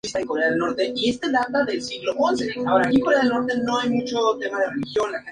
Actualmente es el entrenador de la Real Sociedad C, en la Tercera División.